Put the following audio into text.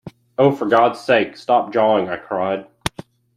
“Oh, for God’s sake stop jawing,” I cried.